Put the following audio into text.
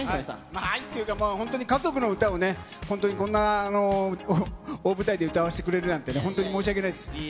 まあ、愛っていうか、本当に家族の歌をね、本当にこんな大舞台で歌わせてくれるなんてね、本当に申し訳ないです。